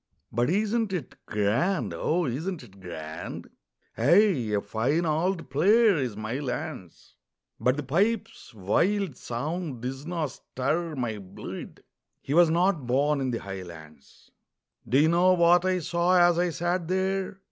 "But isn't it grand? O, isn't it grand?" "Ay, a fine auld player is Mylands, But the pipes' wild sound disna stir my bluid" He was not born in the highlands. Do you know what I saw as I sat there?